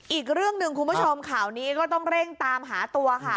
อีกเรื่องหนึ่งคุณผู้ชมข่าวนี้ก็ต้องเร่งตามหาตัวค่ะ